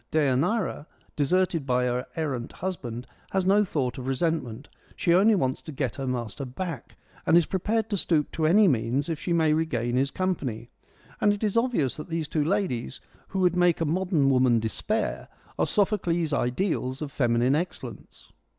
Deianira, deserted by her errant husband, has no thought of resentment : she only wants to get her master back, and is prepared to stoop to any means if she may regain his company. And it is obvious that these two ladies, who would make a modern woman despair, are Sophocles' ideals of feminine excellence.